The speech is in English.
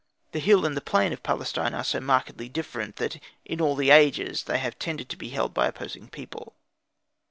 The hill and the plain of Palestine are so markedly different, that in all ages they have tended to be held by opposing people.